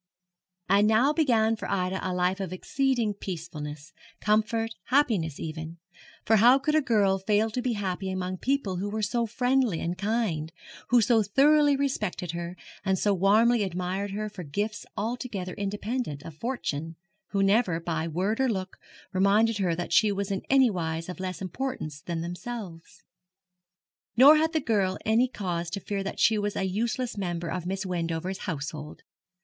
And now began for Ida a life of exceeding peacefulness, comfort, happiness even; for how could a girl fail to be happy among people who were so friendly and kind, who so thoroughly respected her, and so warmly admired her for gifts altogether independent of fortune who never, by word or look, reminded her that she was in anywise of less importance than themselves? Nor had the girl any cause to fear that she was a useless member of Miss Wendover's household.